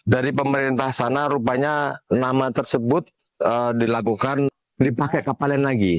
dari pemerintah sana rupanya nama tersebut dilakukan dipakai kapal lain lagi